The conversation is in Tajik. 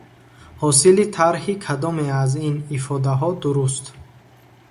Ҳосили тарҳи кадоме аз ин ифодаҳо дуруст?